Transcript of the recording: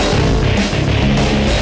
gawat banget ya